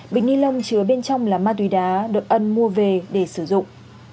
bịch ni lông chứa bên trong là ma túy đá được ân mua về để sử dụng